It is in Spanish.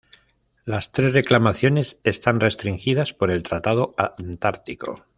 Las tres reclamaciones están restringidas por el Tratado Antártico.